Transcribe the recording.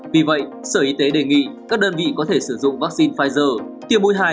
vì vậy sở y tế đề nghị các đơn vị có thể sử dụng vaccine pfizer tiêm mũi hai